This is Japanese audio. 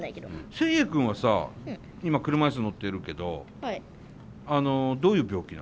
セイエイ君はさ今車椅子乗ってるけどどういう病気なの？